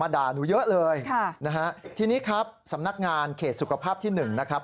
ด่าหนูเยอะเลยค่ะนะฮะทีนี้ครับสำนักงานเขตสุขภาพที่๑นะครับ